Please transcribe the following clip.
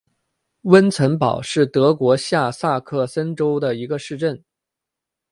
温岑堡是德国下萨克森州的一个市镇。